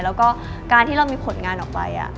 แล้วก็การที่เรามีผลงานออกไป